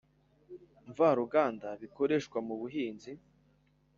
Mvaruganda bikoreshwa mu buhinzi